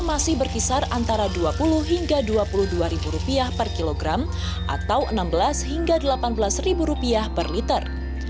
masih berkisar antara dua puluh hingga dua puluh dua ribu rupiah per kilogram atau enam belas hingga delapan belas ribu rupiah per liter